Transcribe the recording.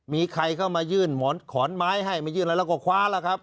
มีใครเข้ามายื่นหมอนขอนไม้ให้มีใครเข้ามายื่นแล้วก็คว้าแล้วครับ